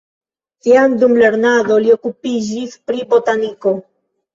Jam dum lernado li okupiĝis pri botaniko.